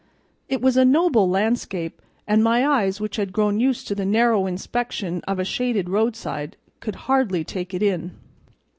It was a noble landscape, and my eyes, which had grown used to the narrow inspection of a shaded roadside, could hardly take it in.